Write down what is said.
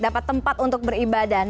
dapat tempat untuk beribadah